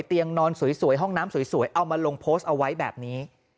เตียงนอนสวยห้องน้ำสวยเอามาลงโพสต์เอาไว้แบบนี้